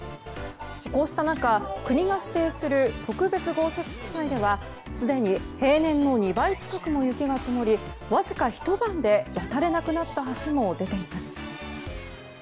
こうした中、国が指定する特別豪雪地帯ではすでに平年の２倍近くも雪が積もりわずかひと晩で渡れなくなった橋も出ています。